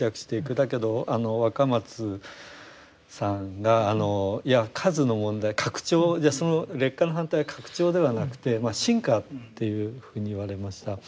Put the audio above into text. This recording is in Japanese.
だけどあの若松さんがいや数の問題拡張その劣化の反対は拡張ではなくてまあ深化というふうに言われました。